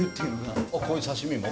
こういう刺身も？